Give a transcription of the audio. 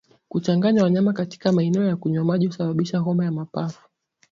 Kuchanganya wanyama katika maeneo ya kunywea maji husababisha homa ya mapafu